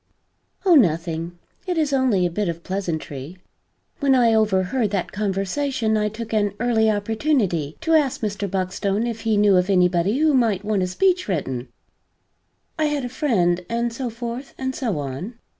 "Oh nothing. It is only a bit of pleasantry. When I overheard that conversation I took an early opportunity to ask Mr. Buckstone if he knew of anybody who might want a speech written I had a friend, and so forth and so on.